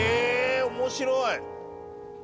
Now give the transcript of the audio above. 面白い！